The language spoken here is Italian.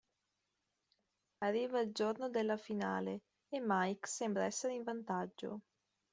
Arriva il giorno della finale e Mike sembra essere in vantaggio.